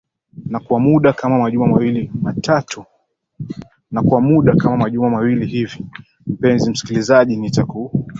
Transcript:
na kwa muda kama majuma mawili hivi mpenzi msikilizaji nitaku